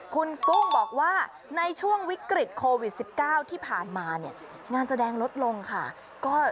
คุณกุ้งบอกว่าในช่วงวิกฤตโควิด๑๙ที่ผ่านมาเนี่ยงานแสดงลดลงค่ะ